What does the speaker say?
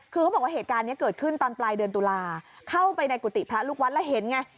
คือเขาบอกว่าเหตุการณ์นี้เกิดขึ้นตอนปลายเดือนตุลาเข้าไปในกุฏิพระลูกวัดแล้วเห็นไง